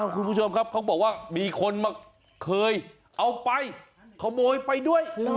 คุณผู้ชมครับเขาบอกว่ามีคนมาเคยเอาไปขโมยไปด้วย